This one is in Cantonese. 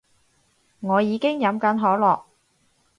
我已經飲緊可樂